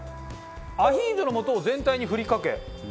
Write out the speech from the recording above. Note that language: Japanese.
アヒージョの素を全体に振りかけ。